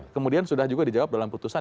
kemudian sudah juga dijawab dalam putusan